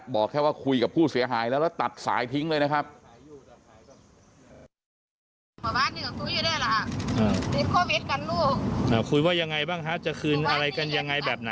บอกแค่ว่าคุยกับผู้เสียหายแล้วแล้วตัดสายทิ้งเลยนะครับ